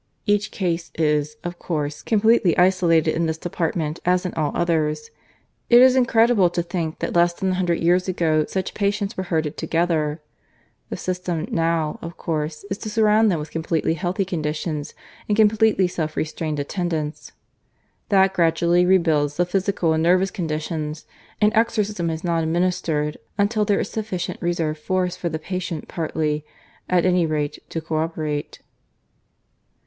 Each case is, of course, completely isolated in this department as in all others. It is incredible to think that less than a hundred years ago such patients were herded together. The system now, of course, is to surround them with completely healthy conditions and completely self restrained attendants. That gradually rebuilds the physical and nervous conditions, and exorcism is not administered until there is sufficient reserve force for the patient partly, at any rate, to cooperate."